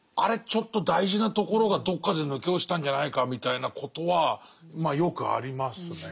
ちょっと大事なところがどっかで抜け落ちたんじゃないかみたいなことはまあよくありますね。